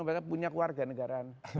mereka punya keluarga negara